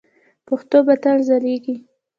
پښتو به تل ځلیږي.